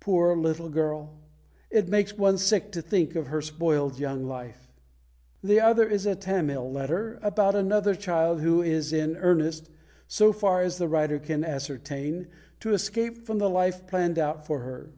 Poor little girl! It makes one sick to think of her spoiled young life!" The other is a Tamil letter, about another child who is in earnest, so far as the writer can ascertain, to escape from the life planned out for her.